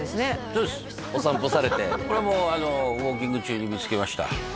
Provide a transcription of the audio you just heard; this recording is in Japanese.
そうですお散歩されてこれもウォーキング中に見つけました